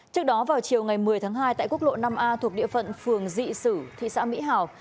trước đó vào chiều ngày một mươi tháng hai tại quốc lộ năm a thuộc địa phận phường dị sử thị xã mỹ hảo